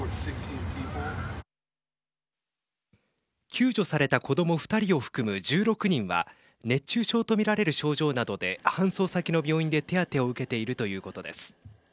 救助された子ども２人を含む１６人は熱中症と見られる症状などで搬送先の病院で手当てを受けているということです。